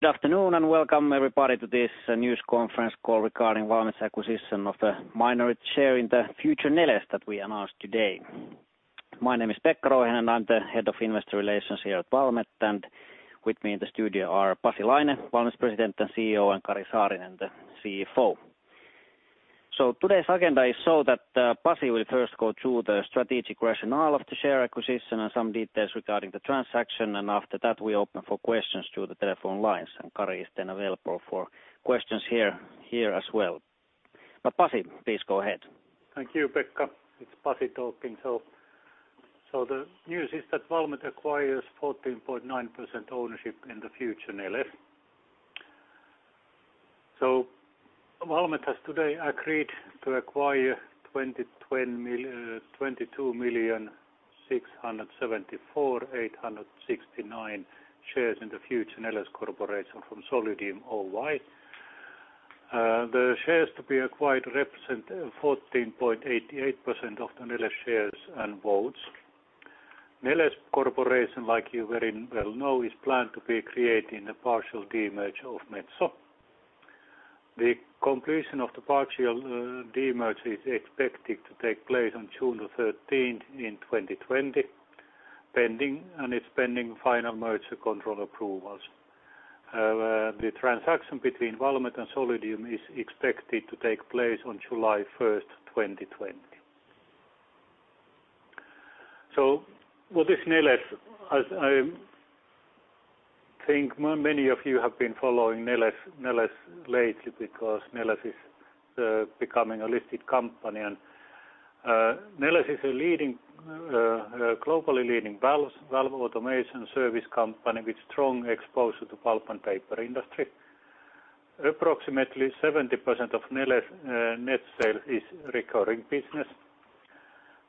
Good afternoon and welcome everybody to this news conference call regarding Valmet's acquisition of a minority share in the future Neles that we announced today. My name is Pekka Rouhiainen, and I'm the Head of Investor Relations here at Valmet. With me in the studio are Pasi Laine, Valmet's President and CEO, and Kari Saarinen, the CFO. Today's agenda is that Pasi will first go through the strategic rationale of the share acquisition and some details regarding the transaction. After that, we open for questions through the telephone lines, and Kari is then available for questions here as well. Pasi, please go ahead. Thank you, Pekka. It's Pasi talking. The news is that Valmet acquires 14.9% ownership in the future Neles. Valmet has today agreed to acquire 22,674,869 shares in the future Neles Corporation from Solidium Oy. The shares to be acquired represent 14.88% of the Neles shares and votes. Neles Corporation, like you very well know, is planned to be created in a partial de-merge of Metso. The completion of the partial de-merge is expected to take place on June 30 in 2020, and it's pending final merger control approvals. The transaction between Valmet and Solidium is expected to take place on July 1st, 2020. What is Neles? I think many of you have been following Neles lately because Neles is becoming a listed company. Neles is a globally leading valve automation service company with strong exposure to pulp and paper industry. Approximately 70% of Neles net sale is recurring business.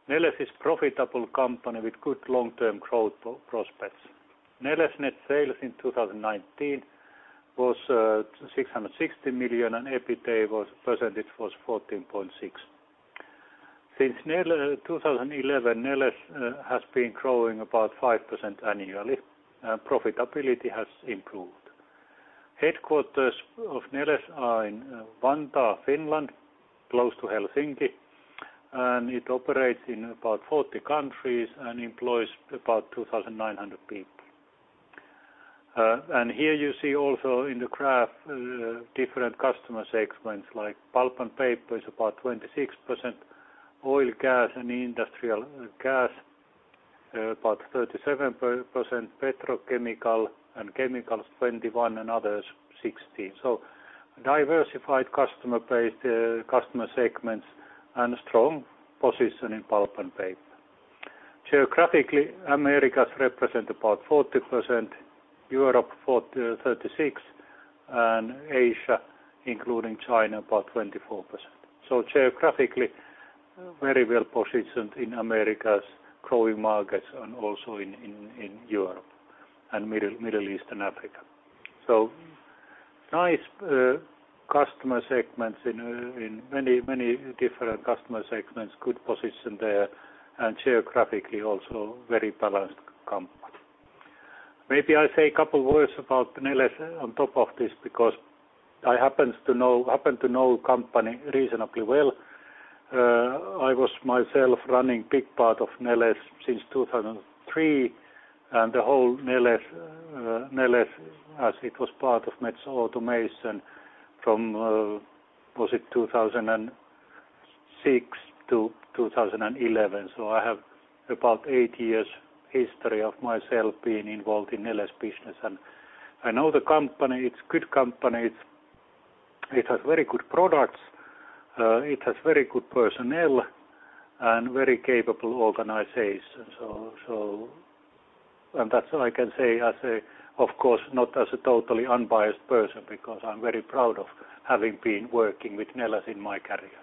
Neles is profitable company with good long-term growth prospects. Neles net sales in 2019 was 660 million, and EBITDA percentage was 14.6%. Since 2011, Neles has been growing about 5% annually. Profitability has improved. Headquarters of Neles are in Vantaa, Finland, close to Helsinki, and it operates in about 40 countries and employs about 2,900 people. Here you see also in the graph different customer segments like pulp and paper is about 26%, oil, gas, and industrial gas about 37%, petrochemical and chemicals 21%, and others 16%. Diversified customer segments and strong position in pulp and paper. Geographically, Americas represent about 40%, Europe 36%, and Asia, including China, about 24%. Geographically very well-positioned in America's growing markets and also in Europe and Middle East and Africa. Nice customer segments in many different customer segments, good position there, and geographically also very balanced company. Maybe I say a couple words about Neles on top of this because I happen to know company reasonably well. I was myself running big part of Neles since 2003 and the whole Neles as it was part of Metso Automation from, was it 2006 to 2011. I have about eight years history of myself being involved in Neles business, and I know the company. It's good company. It has very good products. It has very good personnel and very capable organization. That's what I can say, of course, not as a totally unbiased person because I'm very proud of having been working with Neles in my career.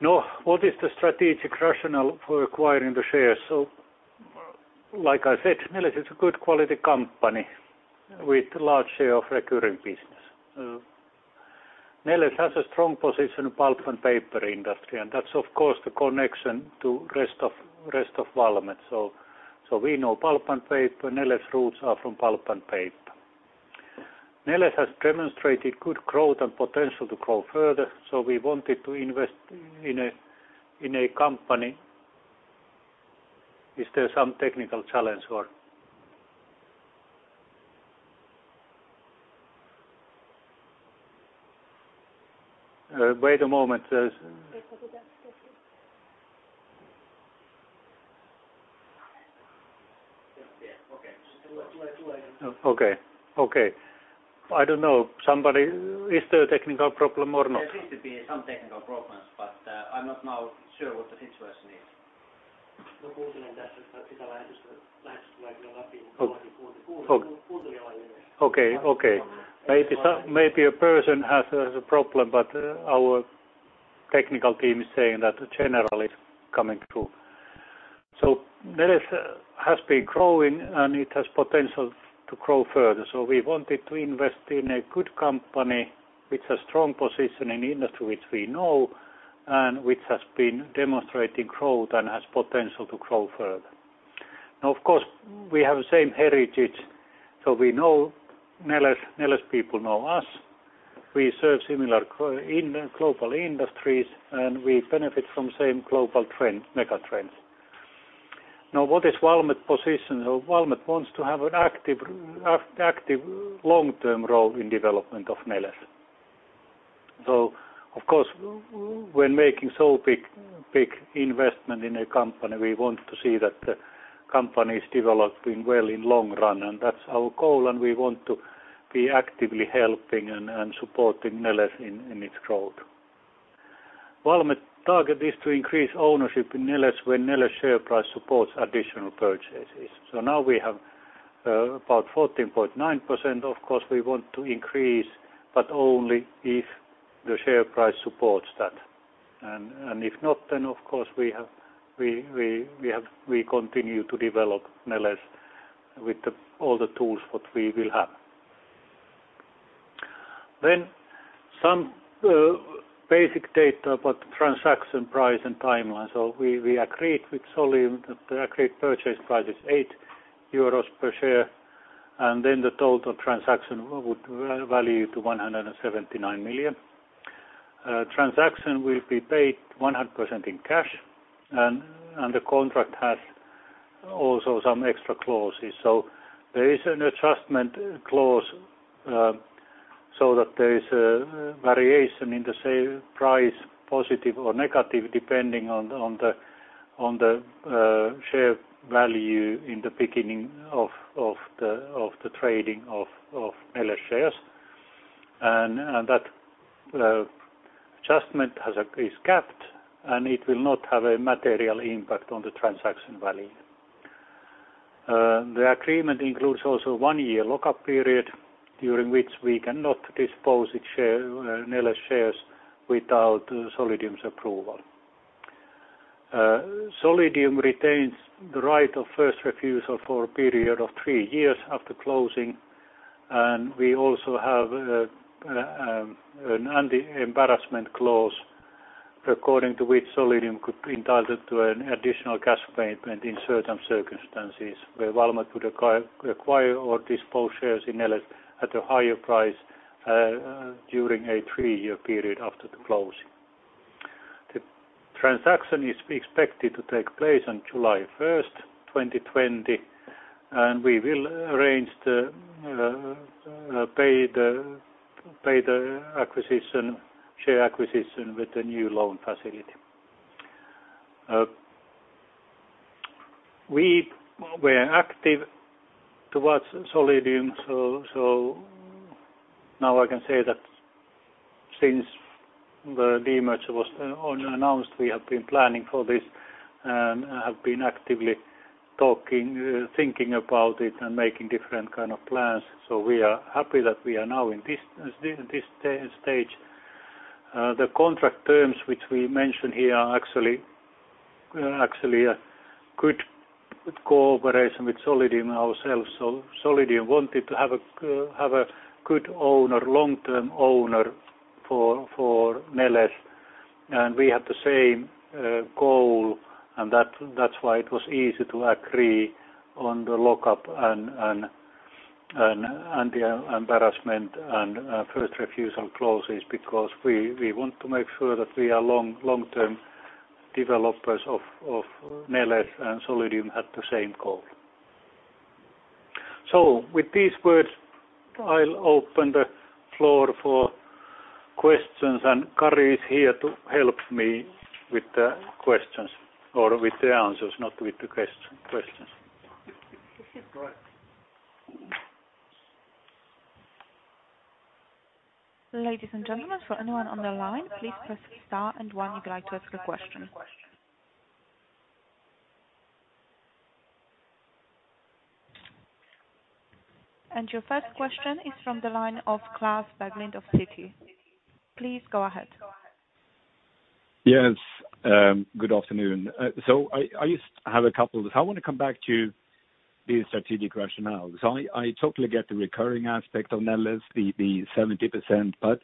Now, what is the strategic rationale for acquiring the shares? Like I said, Neles is a good quality company with large share of recurring business. Neles has a strong position in pulp and paper industry, and that's of course the connection to rest of Valmet. We know pulp and paper. Neles roots are from pulp and paper. Neles has demonstrated good growth and potential to grow further, we wanted to invest in a company. Is there some technical challenge or? Wait a moment. Okay. I don't know. Is there a technical problem or not? There seems to be some technical problems, I'm not now sure what the situation is. Okay. Our technical team is saying that general is coming through. Neles has been growing, and it has potential to grow further. We wanted to invest in a good company with a strong position in industry which we know which has been demonstrating growth and has potential to grow further. Of course, we have the same heritage, we know Neles people know us. We serve similar global industries, and we benefit from same global mega trends. What is Valmet's position? Valmet wants to have an active long-term role in development of Neles. Of course, when making so big investment in a company, we want to see that the company is developing well in long run, and that's our goal, and we want to be actively helping and supporting Neles in its growth. Valmet's target is to increase ownership in Neles when Neles share price supports additional purchases. Now we have about 14.9%. Of course, we want to increase, only if the share price supports that. If not, then, of course, we continue to develop Neles with the all the tools that we will have. Some basic data about the transaction price and timeline. We agreed with Solidium that the agreed purchase price is 8 euros per share, the total transaction would value to 179 million. Transaction will be paid 100% in cash and the contract has also some extra clauses. There is an adjustment clause, so that there is a variation in the sale price, positive or negative, depending on the share value in the beginning of the trading of Neles shares. That adjustment is capped, and it will not have a material impact on the transaction value. The agreement includes also a one-year lock-up period, during which we cannot dispose Neles shares without Solidium's approval. Solidium retains the right of first refusal for a period of three years after closing, and we also have an anti-embarrassment clause according to which Solidium could be entitled to an additional cash payment in certain circumstances where Valmet would acquire or dispose shares in Neles at a higher price during a three-year period after the closing. The transaction is expected to take place on July 1st, 2020, and we will arrange to pay the share acquisition with the new loan facility. We were active towards Solidium, now I can say that since the demerger was announced, we have been planning for this and have been actively talking, thinking about it, and making different kind of plans. We are happy that we are now in this stage. The contract terms which we mentioned here are actually a good cooperation with Solidium ourselves. Solidium wanted to have a good long-term owner for Neles, and we had the same goal, and that's why it was easy to agree on the lock-up and the anti-embarrassment and first refusal clauses because we want to make sure that we are long-term developers of Neles and Solidium had the same goal. With these words, I'll open the floor for questions, and Kari is here to help me with the questions or with the answers, not with the questions. Correct. Ladies and gentlemen, for anyone on the line, please press star and one if you'd like to ask a question. Your first question is from the line of Klas Berglind of Citi. Please go ahead. Yes. Good afternoon. I just have a couple. I want to come back to the strategic rationale because I totally get the recurring aspect of Neles, the 70%, but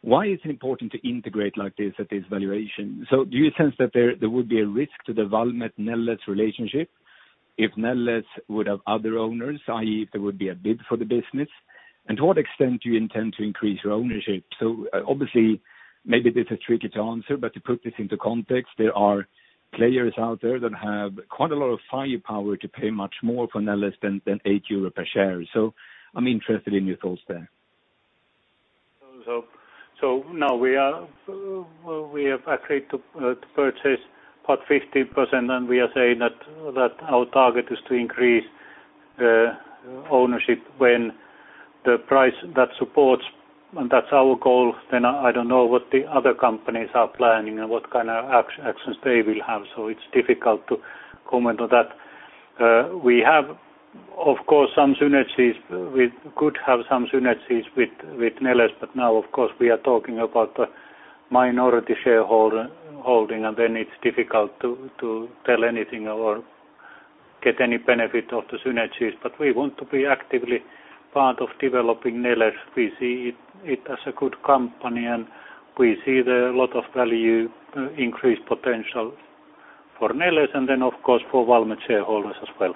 why is it important to integrate like this at this valuation? Do you sense that there would be a risk to the Valmet-Neles relationship if Neles would have other owners, i.e., if there would be a bid for the business? To what extent do you intend to increase your ownership? Obviously, maybe this is tricky to answer, but to put this into context, there are players out there that have quite a lot of firepower to pay much more for Neles than 8 euro per share. I'm interested in your thoughts there. Now we have agreed to purchase about 15%, we are saying that our target is to increase ownership when the price that supports, that's our goal. I don't know what the other companies are planning and what kind of actions they will have. It's difficult to comment on that. We have, of course, some synergies. We could have some synergies with Neles, but now, of course, we are talking about the minority shareholding, and then it's difficult to tell anything or get any benefit of the synergies, but we want to be actively part of developing Neles. We see it as a good company, and we see there a lot of value increase potential for Neles and then, of course, for Valmet shareholders as well.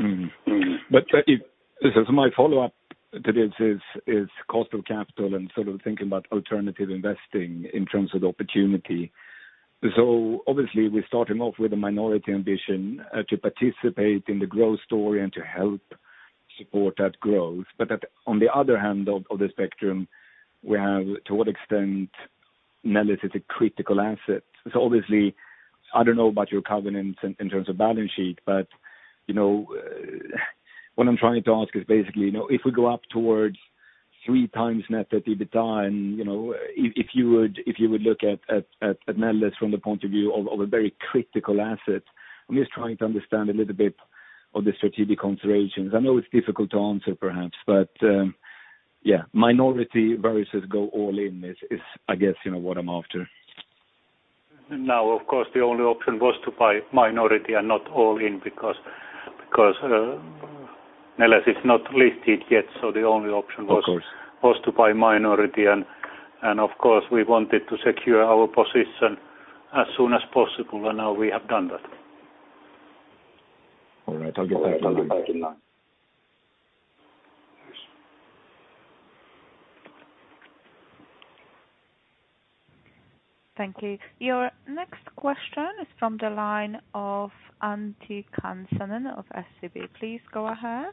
Mm-hmm. This is my follow-up to this, is cost of capital and thinking about alternative investing in terms of the opportunity. Obviously we're starting off with a minority ambition to participate in the growth story and to help support that growth. On the other hand of the spectrum, we have, to what extent Neles is a critical asset. Obviously, I don't know about your covenants in terms of balance sheet, but what I'm trying to ask is basically, if we go up towards 3 times net to EBITDA, and if you would look at Neles from the point of view of a very critical asset. I'm just trying to understand a little bit of the strategic considerations. I know it's difficult to answer perhaps, but, yeah, minority versus go all in is, I guess, what I'm after. Now, of course, the only option was to buy minority and not all in because Neles is not listed yet, the only option was. Of course was to buy minority. Of course, we wanted to secure our position as soon as possible, and now we have done that. All right. I'll get back in line. Thank you. Your next question is from the line of Antti Kansanen of SEB. Please go ahead.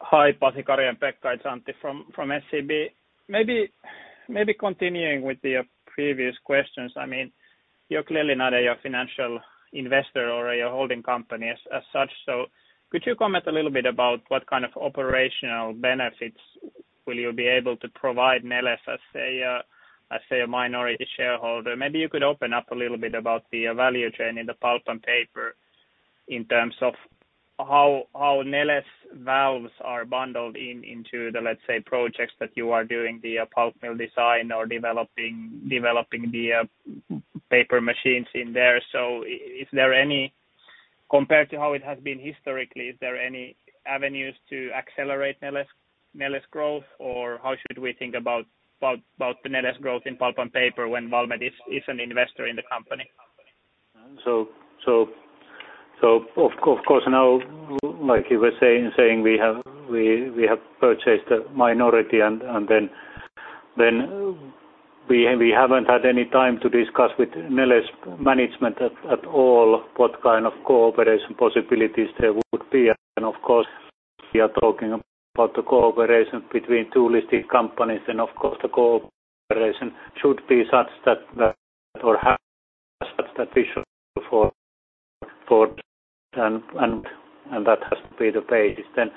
Hi, Pasi, Kari, and Pekka. It's Antti from SEB. Maybe continuing with the previous questions. You're clearly not a financial investor or a holding company as such, could you comment a little bit about what kind of operational benefits will you be able to provide Neles as a minority shareholder? Maybe you could open up a little bit about the value chain in the pulp and paper in terms of how Neles valves are bundled into the, let's say, projects that you are doing, the pulp mill design or developing the paper machines in there. Compared to how it has been historically, is there any avenues to accelerate Neles growth, or how should we think about the Neles growth in pulp and paper when Valmet is an investor in the company? Of course, now, like you were saying, we have purchased a minority, and then we haven't had any time to discuss with Neles management at all what kind of cooperation possibilities there would be. Of course, we are talking about the cooperation between two listed companies. Of course, the cooperation should be such that we're for and that has to be the basis.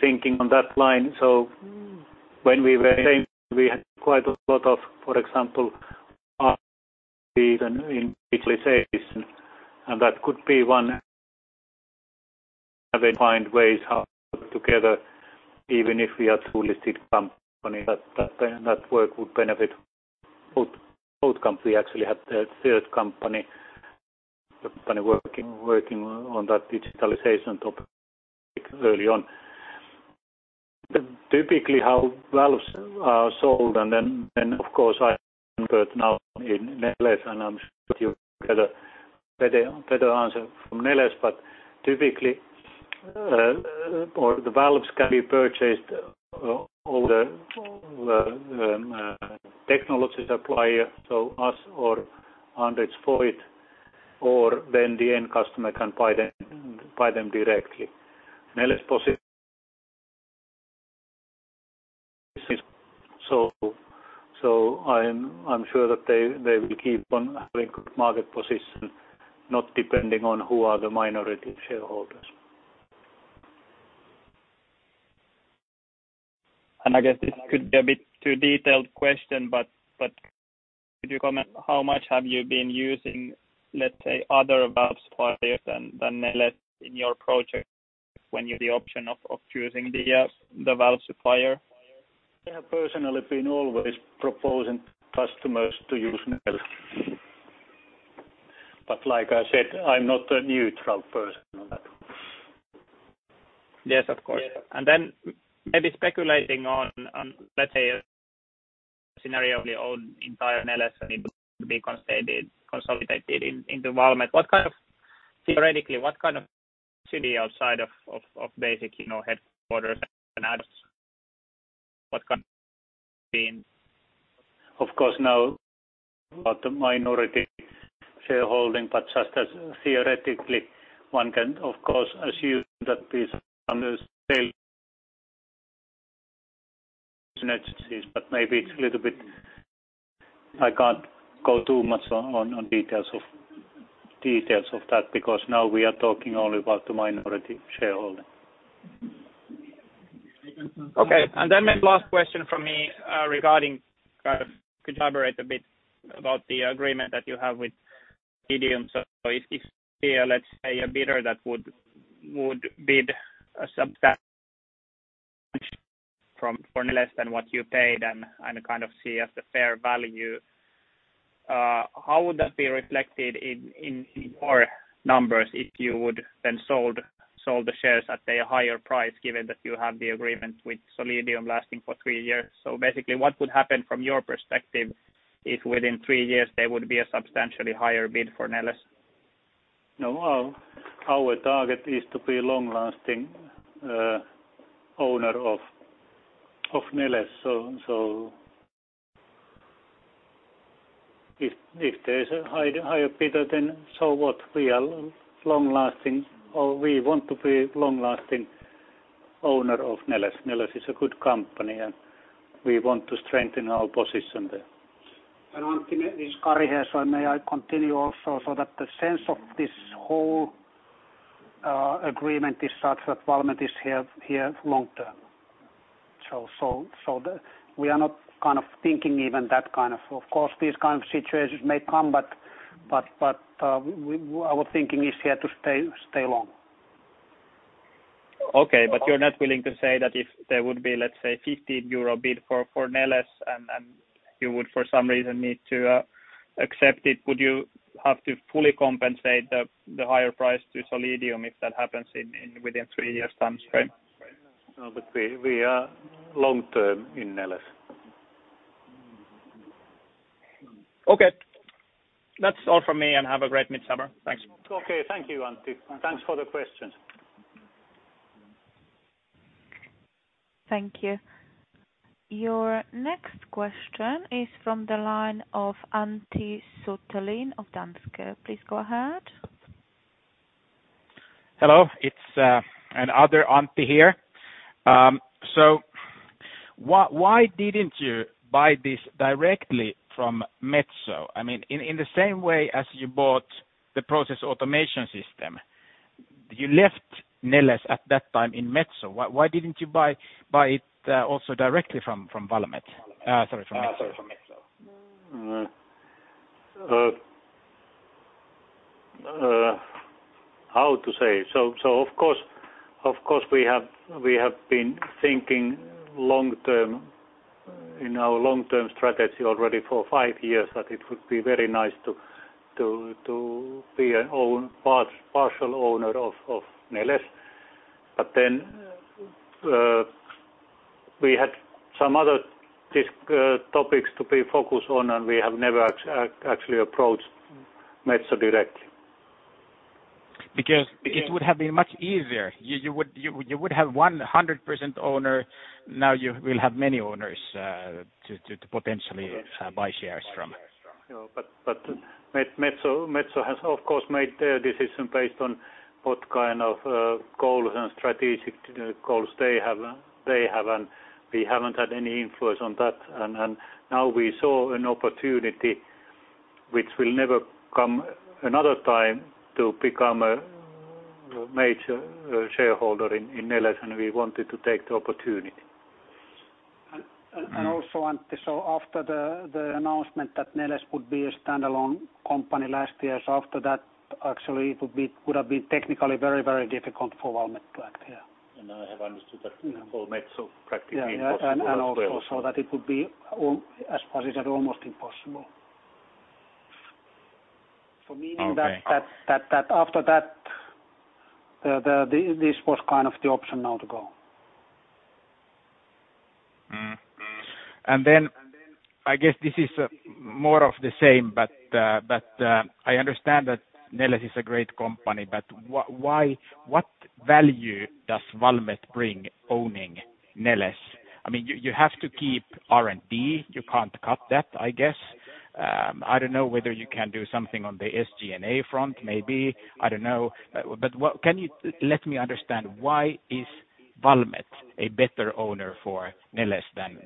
Thinking on that line, when we were saying we had quite a lot of, for example, and that could be one find ways how to put together, even if we are two listed company that work would benefit both company. Actually had the third company working on that digitalization topic early on. Typically how valves are sold, and then, of course, I am an expert now in Neles, and I'm sure you'll get a better answer from Neles. Typically, the valves can be purchased over technology supplier, so us or Andritz for it, or then the end customer can buy them directly. Neles's so I'm sure that they will keep on having good market position, not depending on who are the minority shareholders. I guess this could be a bit too detailed question, but could you comment how much have you been using, let's say, other valve suppliers than Neles in your project when you had the option of choosing the valve supplier? I have personally been always proposing customers to use Neles. Like I said, I'm not a neutral person on that. Yes, of course. Maybe speculating on, let's say, a scenario of the entire Neles need to be consolidated into Valmet. Theoretically, what kind of outside of basic headquarters and what kind of? Of course, now about the minority shareholding. Just as theoretically, one can of course assume that. Maybe it's a little bit I can't go too much on details of that because now we are talking only about the minority shareholding. Okay. Maybe last question from me regarding kind of could you elaborate a bit about the agreement that you have with Solidium. If there, let's say, a bidder that would bid a substantial for Neles than what you paid and kind of see as the fair value. How would that be reflected in your numbers if you would then sell the shares at a higher price, given that you have the agreement with Solidium lasting for 3 years? Basically what would happen from your perspective if within 3 years there would be a substantially higher bid for Neles? No, our target is to be long-lasting owner of Neles. If there's a higher bidder, so what? We are long-lasting, or we want to be long-lasting owner of Neles. Neles is a good company and we want to strengthen our position there. Antti, it's Kari here. May I continue also, the sense of this whole agreement is such that Valmet is here long-term. We are not thinking even that kind of. Of course, these kind of situations may come, our thinking is here to stay long. Okay, you're not willing to say that if there would be, let's say, 50 euro bid for Neles and you would for some reason need to accept it, would you have to fully compensate the higher price to Solidium if that happens within three years time frame? No, we are long-term in Neles. Okay. That's all from me and have a great midsummer. Thanks. Okay. Thank you, Antti. Thanks for the questions. Thank you. Your next question is from the line of Antti Suttelin of Danske. Please go ahead. Hello, it's another Antti here. Why didn't you buy this directly from Metso? In the same way as you bought the Process Automation Systems. You left Neles at that time in Metso. Why didn't you buy it also directly from Valmet? Sorry, from Metso. How to say. Of course we have been thinking in our long-term strategy already for five years that it would be very nice to be a partial owner of Neles. We had some other topics to be focused on, and we have never actually approached Metso directly. It would have been much easier. You would have 100% owner. Now you will have many owners to potentially buy shares from. Yeah. Metso has, of course, made their decision based on what kind of goals and strategic goals they have, and we haven't had any influence on that. Now we saw an opportunity which will never come another time to become a major shareholder in Neles, and we wanted to take the opportunity. Also, Antti, so after the announcement that Neles would be a standalone company last year, so after that, actually it would have been technically very difficult for Valmet to act here. I have understood that for Metso practically impossible as well. Yeah. also that it would be as positive, almost impossible. Okay. meaning that after that, this was kind of the option now to go. Then I guess this is more of the same, I understand that Neles is a great company, what value does Valmet bring owning Neles? You have to keep R&D. You can't cut that, I guess. I don't know whether you can do something on the SG&A front, maybe. I don't know. Can you let me understand why is Valmet a better owner for Neles than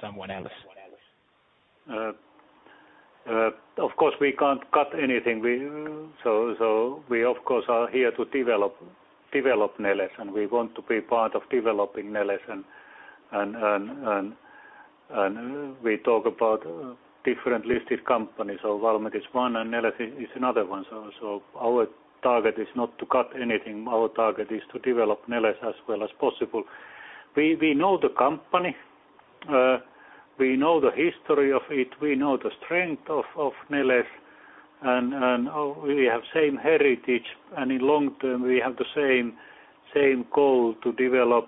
someone else? Of course, we can't cut anything. We, of course, are here to develop Neles, we want to be part of developing Neles we talk about different listed companies. Valmet is one Neles is another one. Our target is not to cut anything. Our target is to develop Neles as well as possible. We know the company. We know the history of it. We know the strength of Neles, we have same heritage, in long-term, we have the same goal to develop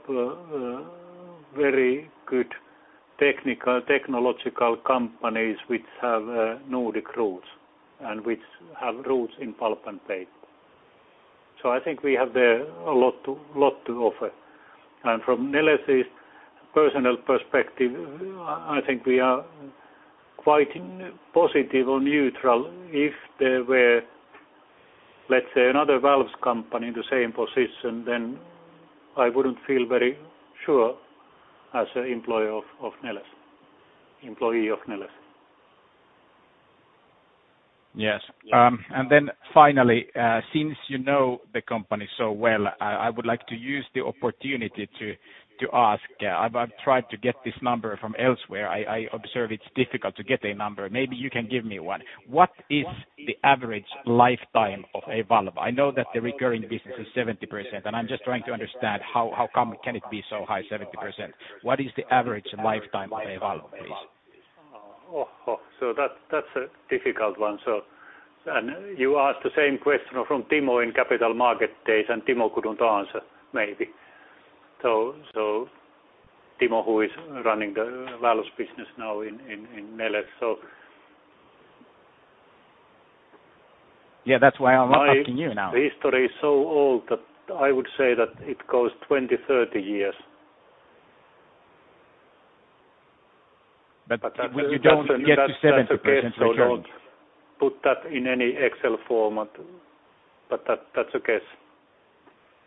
very good technological companies which have Nordic roots which have roots in pulp and paper. I think we have there a lot to offer. From Neles' personnel perspective, I think we are quite positive or neutral if there were, let's say, another valves company in the same position, then I wouldn't feel very sure as an employee of Neles. Yes. Then finally, since you know the company so well, I would like to use the opportunity to ask. I've tried to get this number from elsewhere. I observe it's difficult to get a number. Maybe you can give me one. What is the average lifetime of a valve? I know that the recurring business is 70%, and I'm just trying to understand how come can it be so high, 70%? What is the average lifetime of a valve, please? That's a difficult one. You asked the same question from Timo in capital market days, and Timo couldn't answer, maybe. Timo, who is running the valves business now in Neles. That's why I'm asking you now. My history is so old that I would say that it goes 20, 30 years. You don't get to 7% return. Don't put that in any Excel format, but that's okay.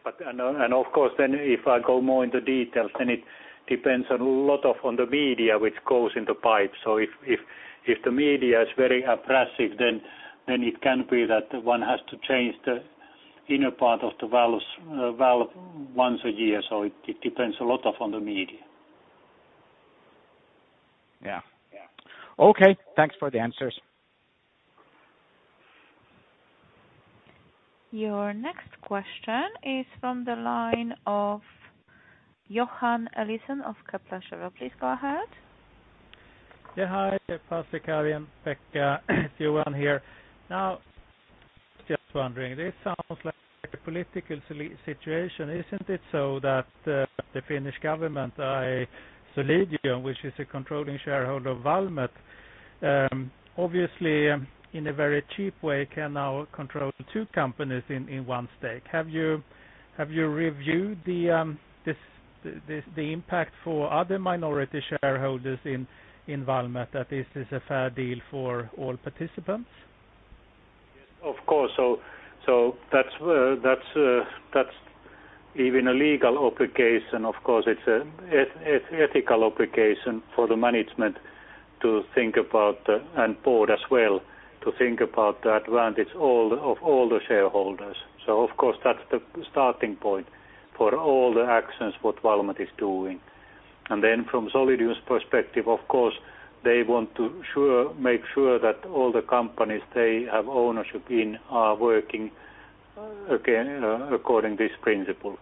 Of course then if I go more into details, then it depends a lot on the media which goes in the pipe. If the media is very abrasive then it can be that one has to change the inner part of the valve once a year. It depends a lot on the media. Yeah. Yeah. Okay. Thanks for the answers. Your next question is from the line of Johan Eliason of Kepler Cheuvreux. Please go ahead. Hi Pasi, Kari and Pekka. Johan here. Just wondering, this sounds like a political situation. Isn't it so that the Finnish government, Solidium, which is a controlling shareholder of Valmet, obviously in a very cheap way, can now control two companies in one stake. Have you reviewed the impact for other minority shareholders in Valmet that this is a fair deal for all participants? Yes, of course. That's even a legal obligation. Of course, it's ethical obligation for the management to think about, and board as well, to think about the advantage of all the shareholders. Of course, that's the starting point for all the actions what Valmet is doing. From Solidium's perspective, of course, they want to make sure that all the companies they have ownership in are working accord this principle.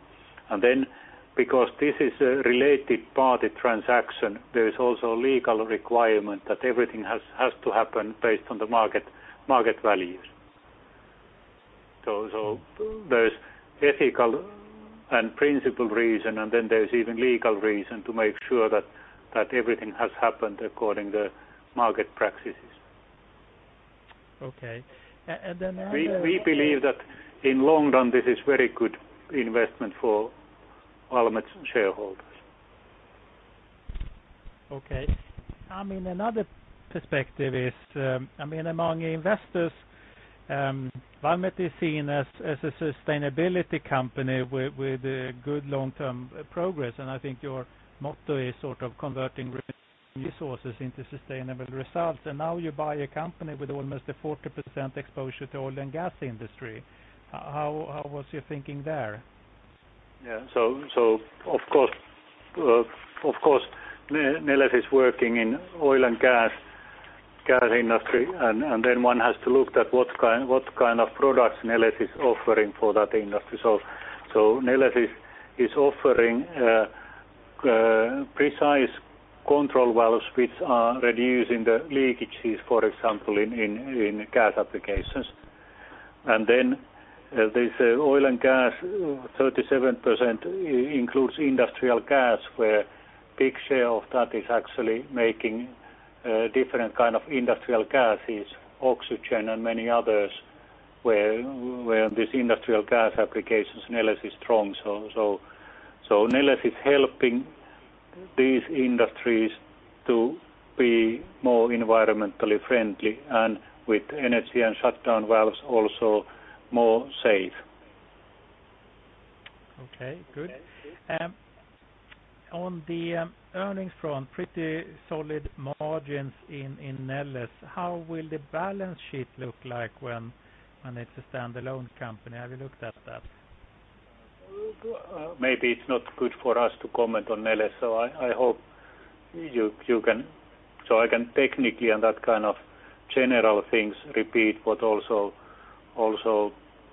Because this is a related party transaction, there is also a legal requirement that everything has to happen based on the market values. There's ethical and principle reason, there's even legal reason to make sure that everything has happened according to market practices. Okay. We believe that in long run this is very good investment for Valmet's shareholders. Okay. Another perspective is among investors, Valmet is seen as a sustainability company with good long-term progress, I think your motto is sort of converting resources into sustainable results, now you buy a company with almost a 40% exposure to oil and gas industry. How was your thinking there? Yeah. Of course, Neles is working in oil and gas industry then one has to look at what kind of products Neles is offering for that industry. Neles is offering precise control valves which are reducing the leakages, for example, in gas applications. Then this oil and gas, 37% includes industrial gas where big share of that is actually making different kind of industrial gases, oxygen and many others, where this industrial gas applications Neles is strong. Neles is helping these industries to be more environmentally friendly and with energy and shutdown valves also more safe. Okay, good. On the earnings front, pretty solid margins in Neles. How will the balance sheet look like when it's a standalone company? Have you looked at that? Maybe it's not good for us to comment on Neles, so I can technically on that kind of general things repeat what also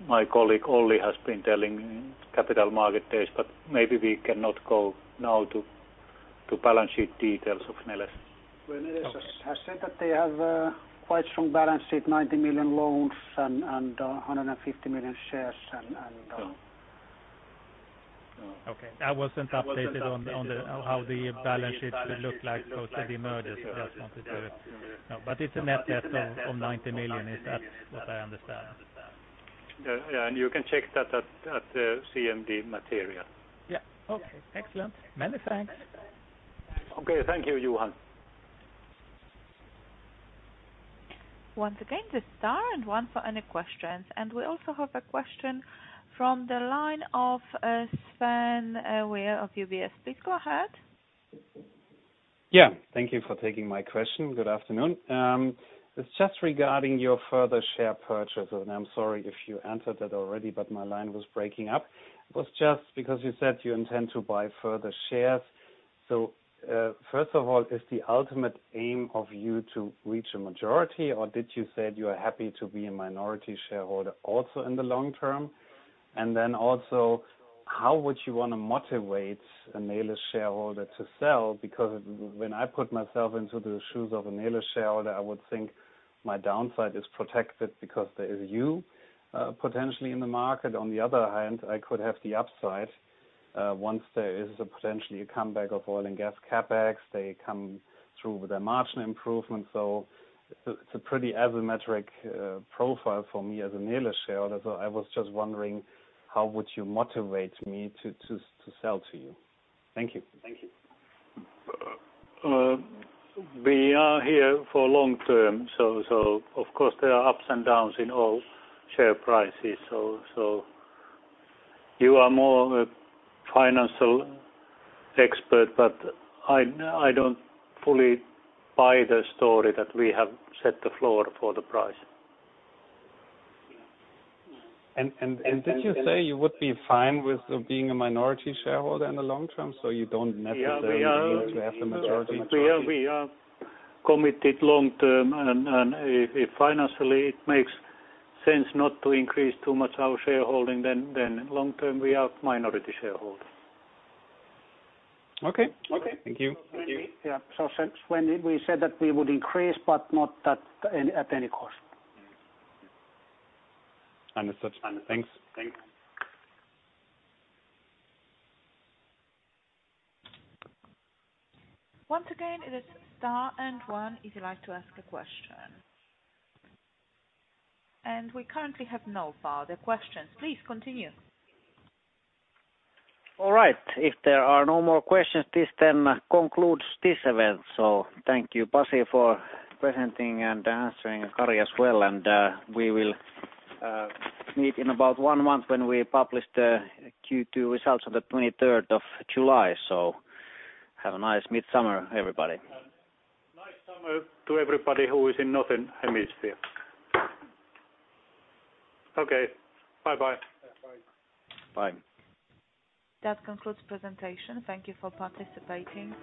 my colleague Olli has been telling capital market days, but maybe we cannot go now to balance sheet details of Neles. Well, Neles has said that they have quite strong balance sheet, 90 million loans and 150 million shares. Okay. I wasn't updated on how the balance sheet will look like post the demerger. No, it's a net debt of 90 million, is that what I understand? Yeah. You can check that at the CMD material. Yeah. Okay, excellent. Many thanks. Okay. Thank you, Johan. One again to star and one for any questions. We also have a question from the line of Sven Weier of UBS. Please go ahead. Yeah. Thank you for taking my question. Good afternoon. It's just regarding your further share purchase, and I'm sorry if you answered that already, but my line was breaking up. It was just because you said you intend to buy further shares. First of all, is the ultimate aim of you to reach a majority, or did you say you are happy to be a minority shareholder also in the long term? Then also How would you want to motivate a Neles shareholder to sell? Because when I put myself into the shoes of a Neles shareholder, I would think my downside is protected because there is you, potentially in the market. On the other hand, I could have the upside, once there is potentially a comeback of oil and gas CapEx, they come through with their margin improvement. It's a pretty asymmetric profile for me as a Neles shareholder. I was just wondering, how would you motivate me to sell to you? Thank you. Thank you. We are here for long term, of course there are ups and downs in all share prices. You are more a financial expert, but I don't fully buy the story that we have set the floor for the price. Did you say you would be fine with being a minority shareholder in the long term? You don't necessarily need to have the majority? We are committed long term and if financially it makes sense not to increase too much our shareholding, then long term we are minority shareholder. Okay. Thank you. Yeah. When we said that we would increase, but not at any cost. Understood. Thanks. Once again, it is star and one if you'd like to ask a question. We currently have no further questions. Please continue. All right. If there are no more questions, this concludes this event. Thank you, Pasi Laine, for presenting and answering Kari Saarinen as well. We will meet in about one month when we publish the Q2 results on the 23rd of July. Have a nice midsummer, everybody. Nice summer to everybody who is in northern hemisphere. Okay, bye-bye. Bye. Bye. That concludes presentation. Thank you for participating.